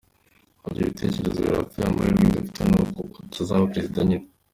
Ibyo bitekerezo birapfuye amahirwe dufite nuko utazaba prezida nyine.